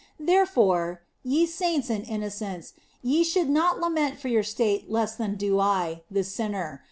There fore, ye saints and innocents, ye should not lament your state less than do I, the sinner.